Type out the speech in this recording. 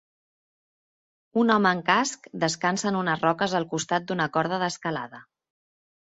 Un home amb casc descansa en unes roques al costat d'una corda d'escalada.